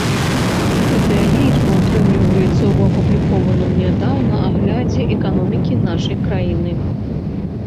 Гэтая лічба ўтрымліваецца ў апублікаваным нядаўна аглядзе эканомікі нашай краіны.